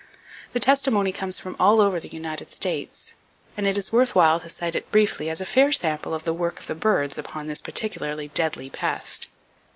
The testimony comes from all over the United States, and it is worth while to cite it briefly as a fair sample of the work of the birds upon this particularly deadly pest.